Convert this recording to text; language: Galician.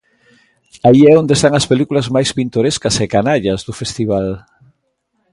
Aí é onde están as películas máis pintorescas e canallas do festival.